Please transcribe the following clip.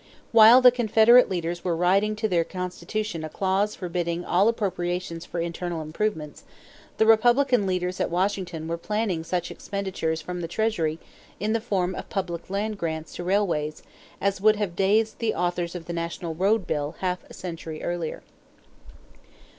While the Confederate leaders were writing into their constitution a clause forbidding all appropriations for internal improvements, the Republican leaders at Washington were planning such expenditures from the treasury in the form of public land grants to railways as would have dazed the authors of the national road bill half a century earlier.